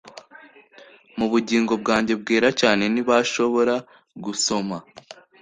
mubugingo bwanjye bwera cyane ntibashobora gusoma